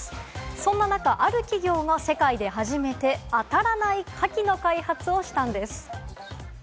そんな中、ある企業が世界で初めて、あたらないカキの開発をしたんです。